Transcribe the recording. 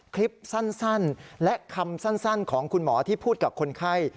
คลิปสั้นและคำสั้นของคุณหมอที่พูดกับคนไข้